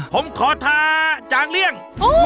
ผมขอทาจางเลี่ยง